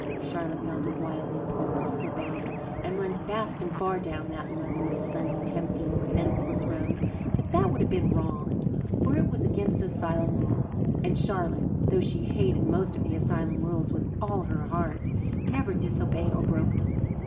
Charlotte felt a wild impulse to slip out and run fast and far down that lovely, sunny, tempting, fenceless road. But that would have been wrong, for it was against the asylum rules, and Charlotte, though she hated most of the asylum rules with all her heart, never disobeyed or broke them.